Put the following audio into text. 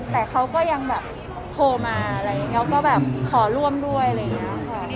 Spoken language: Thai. แต่เขาก็ยังแบบโทรมาอะไรอย่างนี้แล้วก็แบบขอร่วมด้วยอะไรอย่างนี้ค่ะ